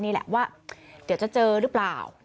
นี่แหละว่าเดี๋ยวจะเจอหรือเปล่า